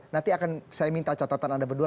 nanti akan saya minta catatan anda berdua